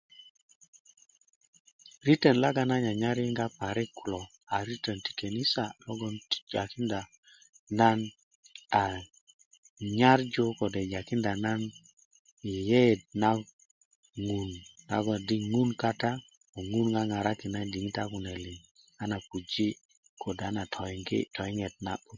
ritönlogon nan nyanyar yiŋga parik kulo a ritön ti kanisa jakinda na aa nyarju kode' jakinda yeyeet na ŋun ama di ŋun kata ko ŋun ŋaŋarakin nan diŋitan kune liŋ a nan piji' kode a nan puji toyiŋet na'but